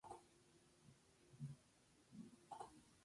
Este disco les lleva a su Gira Mutante recorriendo gran parte del país..